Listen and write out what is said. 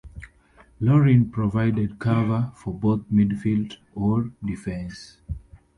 Lauren provided cover for both midfield or defence.